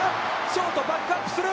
ショートバックアップする。